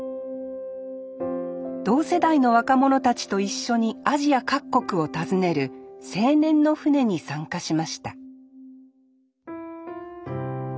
同世代の若者たちと一緒にアジア各国を訪ねる青年の船に参加しました